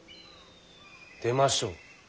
出ましょう。